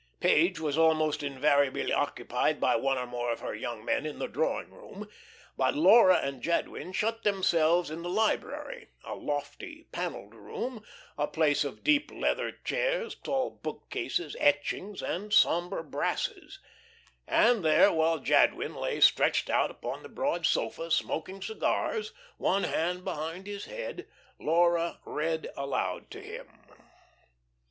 Page was almost invariably occupied by one or more of her young men in the drawing room, but Laura and Jadwin shut themselves in the library, a lofty panelled room a place of deep leather chairs, tall bookcases, etchings, and sombre brasses and there, while Jadwin lay stretched out upon the broad sofa, smoking cigars, one hand behind his head, Laura read aloud to him.